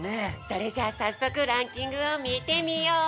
それじゃあさっそくランキングをみてみよう！